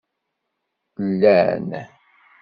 Llan?